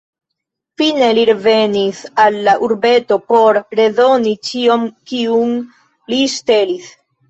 Fine, li revenis al la urbeto por redoni ĉion kiun li ŝtelis.